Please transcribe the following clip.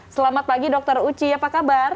selamat pagi dr uci apa kabar